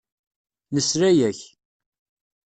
Nesla-ak.